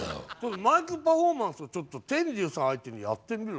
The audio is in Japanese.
マイクパフォーマンスをちょっと天龍さん相手にやってみろよ。